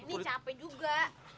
ini capek juga